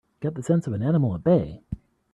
Get the sense of an animal at bay!